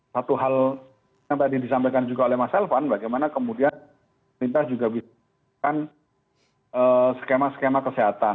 satu hal yang tadi disampaikan juga oleh mas elvan bagaimana kemudian pemerintah juga bisa melakukan skema skema kesehatan